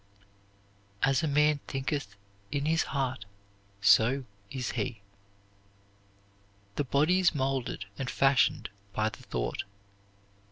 "As a man thinketh in his heart, so is he." The body is molded and fashioned by the thought.